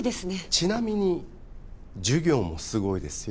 ちなみに授業もすごいですよ。